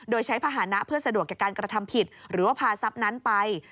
โดยใช้ภาษณะเพื่อสะดวกกับการกระทำผิดหรือว่าพาทรัพย์นั้นไป